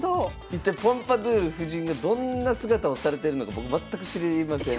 一体ポンパドゥール夫人がどんな姿をされてるのか僕全く知りません。